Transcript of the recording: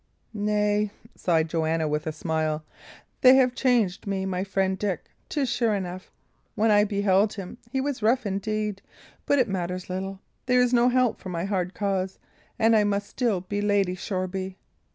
"Nay," sighed Joanna, with a smile, "they have changed me my friend Dick, 'tis sure enough. When I beheld him, he was rough indeed. But it matters little; there is no help for my hard case, and I must still be Lady Shoreby!"